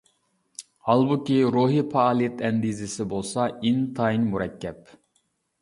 ھالبۇكى، روھىي پائالىيەت ئەندىزىسى بولسا ئىنتايىن مۇرەككەپ.